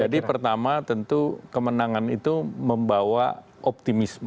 jadi pertama tentu kemenangan itu membawa optimisme